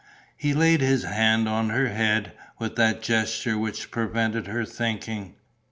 He laid his hand on her head, with that gesture which prevented her thinking.